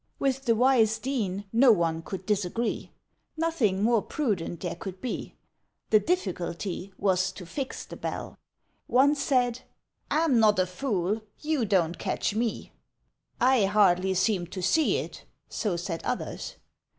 With the wise Dean no one could disagree; Nothing more prudent there could be: The difficulty was to fix the bell! One said, "I'm not a fool; you don't catch me:" "I hardly seem to see it!" so said others.